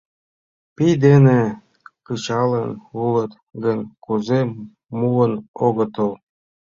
— Пий дене кычалын улыт гын, кузе муын огытыл?